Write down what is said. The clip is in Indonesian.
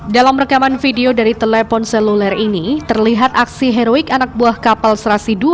dalam rekaman video dari telepon seluler ini terlihat aksi heroik anak buah kapal serasi dua